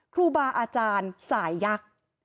ครูบาอาจารย์สายยักษ์